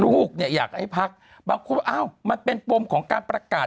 ลูกอยากให้พักบอกมันเป็นปรมของการประกาศ